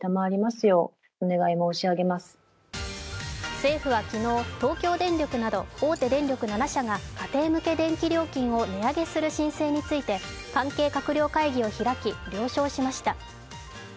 政府は昨日、東京電力など大手電力７社が家庭向け電気料金を値上げする申請について関係閣僚会議を開き了承しました。